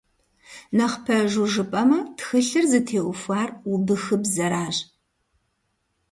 Нэхъ пэжу жыпӀэмэ, тхылъыр зытеухуар убыхыбзэращ.